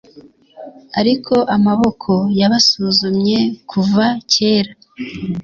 ariko amaboko yabasuzumye, kuva kera,